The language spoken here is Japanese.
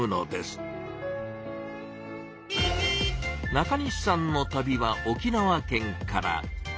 中西さんの旅は沖縄県から。